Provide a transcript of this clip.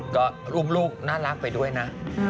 ก็อุ้มลูกน่ารักไปด้วยนะ